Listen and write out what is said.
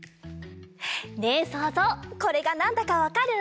ねえそうぞうこれがなんだかわかる？